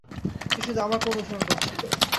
সে শুধু আমাকে অনুসরণ করছিল।